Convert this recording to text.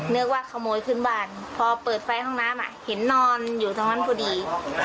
นึกว่าขโมยขึ้นบ้านพอเปิดไฟห้องน้ำเห็นนอนอยู่ตรงนั้นพอดี